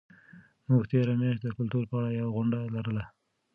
موږ تېره میاشت د کلتور په اړه یوه غونډه لرله.